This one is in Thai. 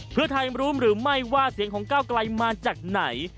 เพื่อไทยรู้หรือไม่ว่าเสียงของก้าวไกลมาจากไหน